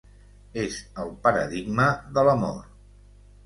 És el paradigma de l'amor.